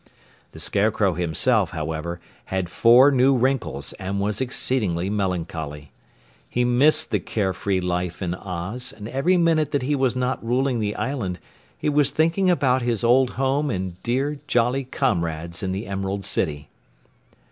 The Scarecrow himself, however, had four new wrinkles and was exceedingly melancholy. He missed the carefree life in Oz, and every minute that he was not ruling the island he was thinking about his old home and dear, jolly comrades in the Emerald City.